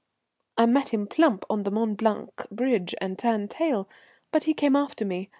I met him plump on the Mont Blanc Bridge and turned tail, but he came after me.